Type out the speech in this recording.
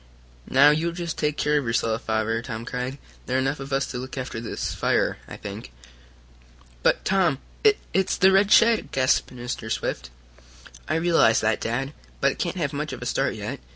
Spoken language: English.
"Now, you just take care of yourself, Father!" Tom cried. "There are enough of us to look after this fire, I think." "But, Tom, it it's the red shed!" gasped Mr. Swift. "I realize that, Dad. But it can't have much of a start yet.